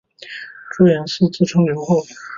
朱延嗣自称留后。